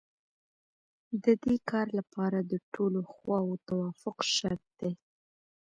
د دې کار لپاره د ټولو خواوو توافق شرط دی.